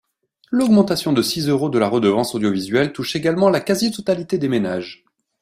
L’augmentation de six euros de la redevance audiovisuelle touche également la quasi-totalité des ménages.